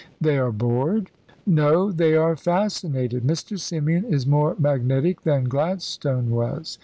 "They are bored?" "No; they are fascinated. Mr. Symeon is more magnetic than Gladstone was.